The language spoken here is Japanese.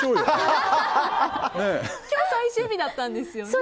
今日、最終日だったんですよね。